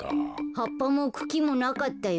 はっぱもくきもなかったよ。